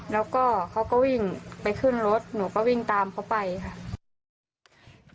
แล้วก็เขาก็วิ่งไปขึ้นรถหนูก็วิ่งตามเขาไปค่ะ